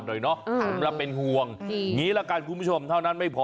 พี่ยกวิ่งถามแล้วเป็นห่วงนี่ล่ะกันคุณผู้ชมเท่านั้นไม่พอ